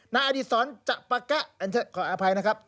นายอดีศรจะปะแกะขออภัยนะครับ